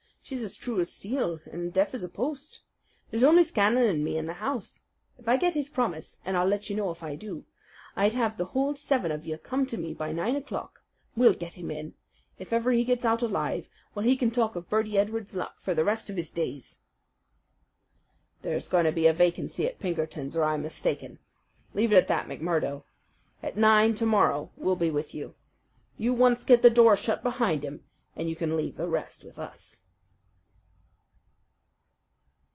She's as true as steel and as deaf as a post. There's only Scanlan and me in the house. If I get his promise and I'll let you know if I do I'd have the whole seven of you come to me by nine o'clock. We'll get him in. If ever he gets out alive well, he can talk of Birdy Edwards's luck for the rest of his days!" "There's going to be a vacancy at Pinkerton's or I'm mistaken. Leave it at that, McMurdo. At nine to morrow we'll be with you. You once get the door shut behind him, and you can leave the rest with us."